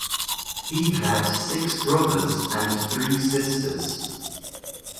He had six brothers and three sisters.